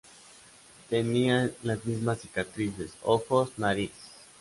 Tenían las mismas cicatrices, ojos, nariz.